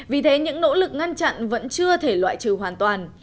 vì thế những nỗ lực ngăn chặn vẫn chưa thể loại trừ hoàn toàn